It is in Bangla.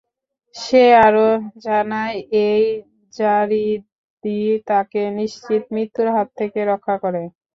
সে আরও জানায়, এই যারীদই তাকে নিশ্চিত মৃত্যুর হাত থেকে রক্ষা করে।